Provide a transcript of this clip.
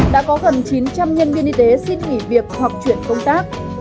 đã có gần chín trăm linh nhân viên y tế xin nghỉ việc hoặc chuyển công tác